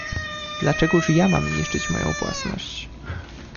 "Dlaczegóż ja mam niszczyć moją własność."